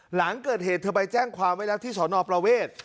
หลังเกิดเหตุเธอไปแจ้งความไว้แล้วที่สอนอประเวท